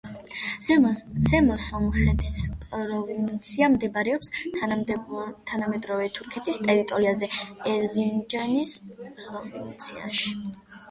ზემო სომხეთის პროვინცია მდებარეობს თანამედროვე თურქეთის ტერიტორიაზე ერზინჯანის პროვინციაში.